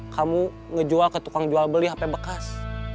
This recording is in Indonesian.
kamu ngejual ke tukang jual beli hp bekas